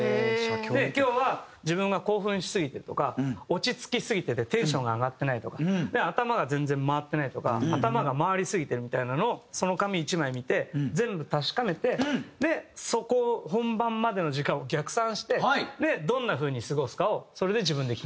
で今日は自分が興奮しすぎてるとか落ち着きすぎててテンションが上がってないとか頭が全然回ってないとか頭が回りすぎてるみたいなのをその紙一枚見て全部確かめてでそこ本番までの時間を逆算してどんなふうに過ごすかをそれで自分で決める。